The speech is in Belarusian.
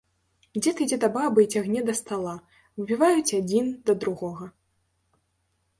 Дзед ідзе да бабы і цягне да стала, выпіваюць адзін да другога.